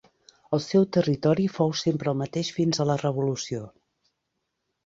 El seu territori fou sempre el mateix fins a la revolució.